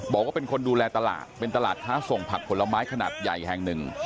บอกว่าเป็นคนดูแลตลาดเป็นตลาดค้าส่งผักผลไม้ขนาดใหญ่แห่งหนึ่ง